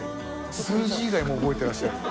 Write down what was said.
数字以外も覚えてらっしゃる。